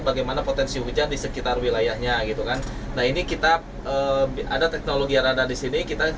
bagaimana potensi hujan di sekitar wilayahnya gitu kan nah ini kita ada teknologi radar disini kita